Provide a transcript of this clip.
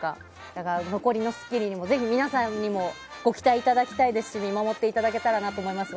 だから、残りの「スッキリ」にもぜひ皆さんにもご期待いただきたいですし見守っていただけたらなと思います。